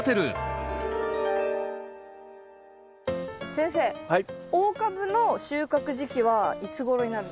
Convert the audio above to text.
先生大株の収穫時期はいつごろになるんですか？